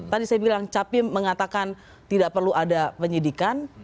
tadi saya bilang capim mengatakan tidak perlu ada penyidikan